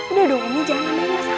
udah dong umi jangan main masalah